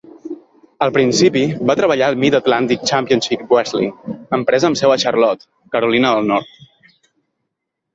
Al principi va treballar a Mid Atlantic Championship Wrestling, empresa amb seu a Charlotte, Carolina del Nord.